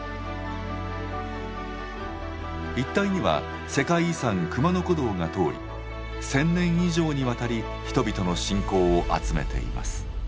一帯には世界遺産・熊野古道が通り１，０００年以上にわたり人々の信仰を集めています。